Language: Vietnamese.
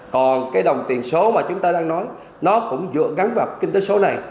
còn cái đồng tiền số mà chúng ta đang nói nó cũng dựa gắn vào kinh tế số này